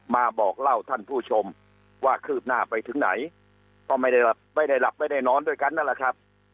มาบอกเล่าท่านผู้ชมว่าคืบหน้าไปถึงไหนก็ไม่ได้หลับไม่ได้หลับไม่ได้นอนด้วยกันนั่นแหละครับ